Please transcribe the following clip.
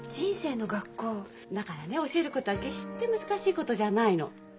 だからね教えることは決して難しいことじゃないの。